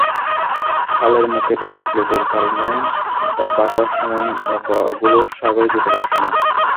খালের মুখে থাকা প্লেটের কারণে ভাটার সময় নৌকাগুলো সাগরে যেতে পারছে না।